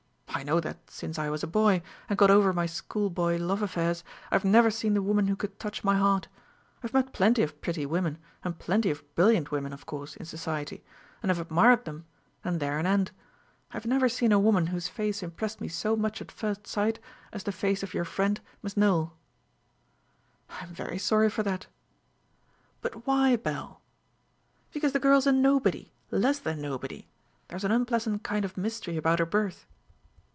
I know that since I was a boy, and got over my schoolboy love affairs, I have never seen the woman who could touch my heart. I have met plenty of pretty women, and plenty of brilliant women, of course, in society; and have admired them, and there an end. I have never seen a woman whose face impressed me so much at first sight as the face of your friend, Miss Nowell." "I am very sorry for that." "But why, Belle?" "Because the girl is a nobody less than nobody. There is an unpleasant kind of mystery about her birth."